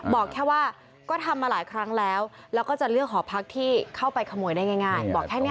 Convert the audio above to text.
บอกแค่ว่าก็ทำมาหลายครั้งแล้วแล้วก็จะเลือกหอพักที่เข้าไปขโมยได้ง่ายบอกแค่นี้